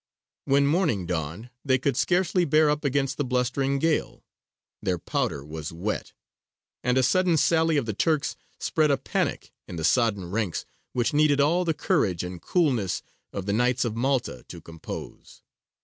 When morning dawned they could scarcely bear up against the blustering gale; their powder was wet; and a sudden sally of the Turks spread a panic in the sodden ranks which needed all the courage and coolness of the Knights of Malta to compose.